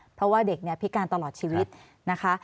เพราะว่าเด็กเนี่ยพิการตลอดชีวิตนะคะ